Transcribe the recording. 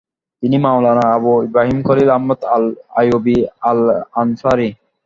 তিনি মাওলানা আবু ইব্রাহিম খলিল আহমদ আল আইয়ুবী আল আনসারী।